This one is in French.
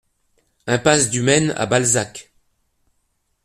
Impasse du Maine à Balzac